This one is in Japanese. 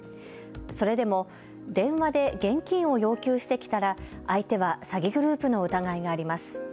それでも電話で現金を要求してきたら、相手は詐欺グループの疑いがあります。